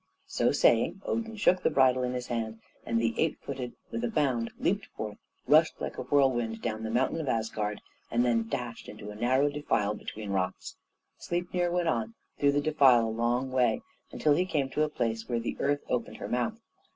So saying Odin shook the bridle in his hand, and the eight footed, with a bound, leaped forth, rushed like a whirlwind down the mountain of Asgard, and then dashed into a narrow defile between rocks. Sleipnir went on through the defile a long way, until he came to a place where the earth opened her mouth.